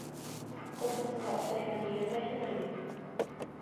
Космосҡа осорға йыйынмайһыңдыр бит.